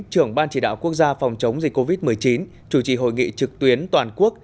trưởng ban chỉ đạo quốc gia phòng chống dịch covid một mươi chín chủ trì hội nghị trực tuyến toàn quốc